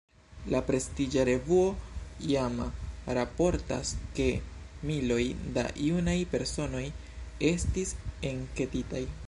La prestiĝa revuo Jama raportas, ke miloj da junaj personoj estis enketitaj.